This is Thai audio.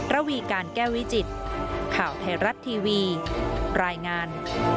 ระวีการแก้วิจิตข่าวไทยรัฐทีวีรายงาน